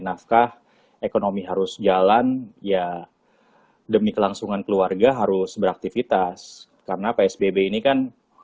nafkah ekonomi harus jalan ya demi kelangsungan keluarga harus beraktivitas karena psbb ini kan